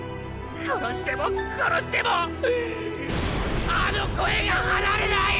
殺しても殺してもあの声が離れない‼